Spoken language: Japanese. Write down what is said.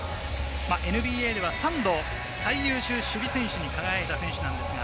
ＮＢＡでは３度、最優秀守備選手に輝いた選手です。